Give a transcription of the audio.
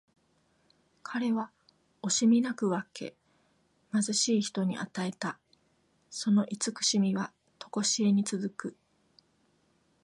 彼は惜しみなく分け、貧しい人に与えた。その慈しみはとこしえに続く。